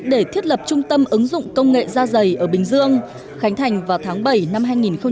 để thiết lập trung tâm ứng dụng công nghệ da dày ở bình dương khánh thành vào tháng bảy năm hai nghìn hai mươi